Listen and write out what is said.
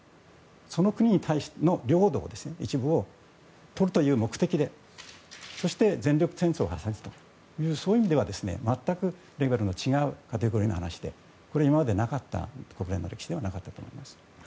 その国の領土の一部をとるという目的でそして全力戦争をするという意味ではそういう意味では、全くレベルの違うカテゴリーの話でこれは今までなかったと思います。